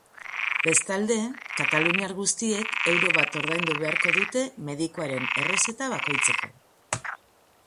Bestalde, kataluniar guztiek euro bat ordaindu beharko dute medikuaren errezeta bakoitzeko.